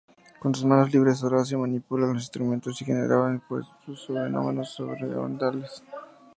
Con sus manos libres Horacio manipulaba los instrumentos y generaba los supuestos fenómenos sobrenaturales.